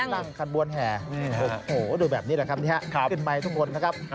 นั่งขบวนแห่โอ้โหดูแบบนี้แหละครับนี่ฮะขึ้นไปทุกคนนะครับ